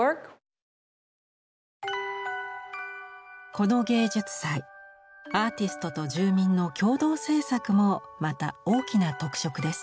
この芸術祭アーティストと住民の共同制作もまた大きな特色です。